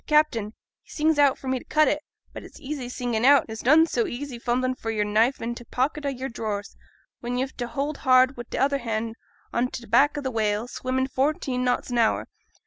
T' captain, he sings out for me to cut it; but it's easy singin' out, and it's noane so easy fumblin' for your knife i' t' pocket o' your drawers, when yo've t' hold hard wi' t' other hand on t' back of a whale, swimmin' fourteen knots an hour.